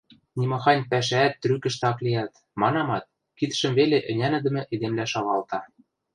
– Нимахань пӓшӓӓт трӱкӹштӹ ак лиӓлт, – манамат, кидшӹм веле ӹнянӹдӹмӹ эдемлӓ шалалта.